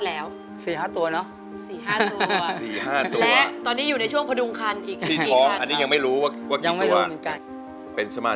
และส่วนรับหมด